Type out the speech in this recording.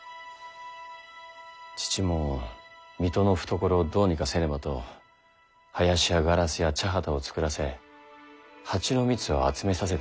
父も水戸の懐をどうにかせねばと林やガラスや茶畑を作らせ蜂の蜜を集めさせておった。